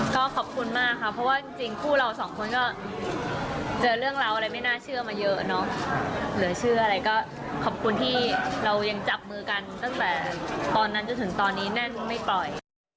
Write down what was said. ก็ขอบคุณมากค่ะเพราะว่าจริงคู่เราสองคนก็เจอเรื่องราวอะไรไม่น่าเชื่อมาเยอะเนอะเหลือเชื่ออะไรก็ขอบคุณที่เรายังจับมือกันตั้งแต่ตอนนั้นจนถึงตอนนี้แน่นไม่ปล่อย